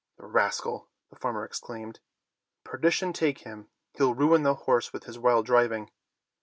"The rascal!" the farmer exclaimed, "perdition take him! He'll ruin the horse with his wild driving."